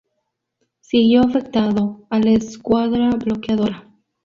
Siguió afectado a la escuadra bloqueadora.